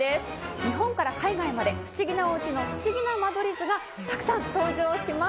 日本から海外まで不思議なお家の不思議な間取り図が沢山登場します。